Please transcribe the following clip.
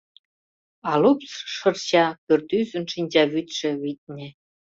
А лупс шырча пӱртӱсын шинчавӱдшӧ, витне.